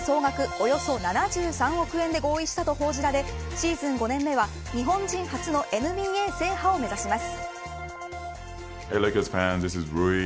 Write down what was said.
およそ７３億円で合意したと報じられシーズン５年目は日本人初のＮＢＡ制覇を目指します。